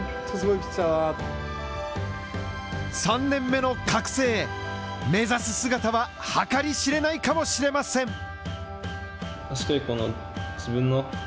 ３年目の覚醒へ目指す姿は計り知れないかもしれません。